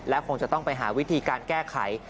คงจะต้องไปหาวิธีการแก้ไข